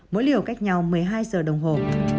mỗi liều cách nhau một mươi hai giờ đồng hồ